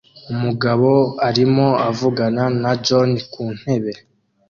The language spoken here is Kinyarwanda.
Umugabo arimo avugana na john ku ntebe